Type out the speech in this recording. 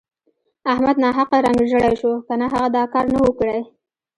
احمد ناحقه رنګ ژړی شو که نه هغه دا کار نه وو کړی.